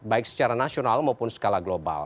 baik secara nasional maupun skala global